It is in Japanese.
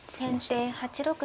先手８六歩。